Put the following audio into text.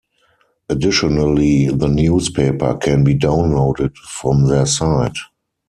Additionally, the newspaper can be downloaded from their site.